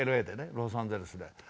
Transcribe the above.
ロサンゼルスで。